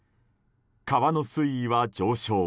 川の水位は上昇。